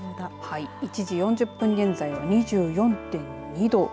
１時４０分現在は２４．２度。